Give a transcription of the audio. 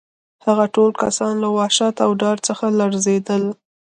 هغه ټول کسان له وحشت او ډار څخه لړزېدل